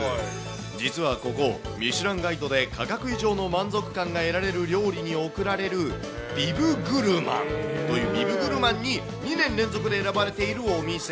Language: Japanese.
実はここ、ミシュランガイドで価格以上の満足感が得られる料理におくられるビブグルマンというビブグルマンに２年連続で選ばれているお店。